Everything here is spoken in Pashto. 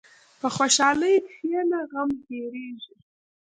په خوشحالۍ کښېنه، غم هېرېږي.